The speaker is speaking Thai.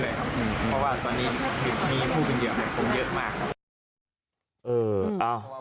เพราะว่าตอนนี้มีผู้บริเวณหยุดของผมเยอะมากครับ